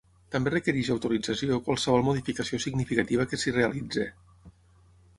També requereix autorització qualsevol modificació significativa que s'hi realitzi.